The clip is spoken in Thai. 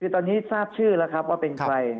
คือตอนนี้ทราบชื่อแล้วครับว่าเป็นใคร